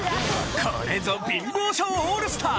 これぞ貧乏性オールスター！